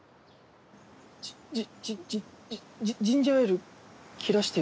ジジジジンジャーエール切らしてる。